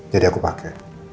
jadi aku pake